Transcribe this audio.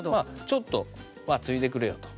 ちょっとまあついでくれよと。